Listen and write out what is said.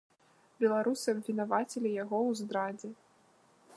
Беларусы абвінавацілі яго ў здрадзе.